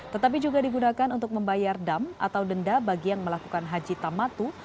tetapi juga digunakan untuk membayar dam atau denda bagi yang melakukan haji tamatu